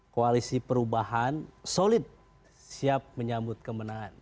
koalisi perubahan solid siap menyambut kemenangan